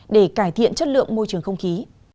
để cải thiện chất lượng môi trường không khí